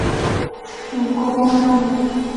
主攻蛙泳。